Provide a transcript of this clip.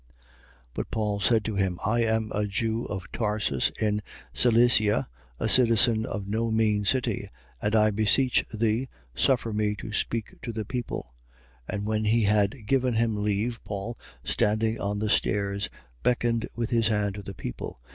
21:39. But Paul said to him: I am a Jew of Tarsus in Cilicia, a citizen of no mean city. And I beseech thee, suffer me to speak to the people. 21:40. And when he had given him leave, Paul standing on the stairs, beckoned with his hand to the people.